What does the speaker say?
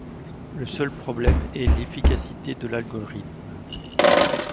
Le seul problème est l'efficacité de l'algorithme.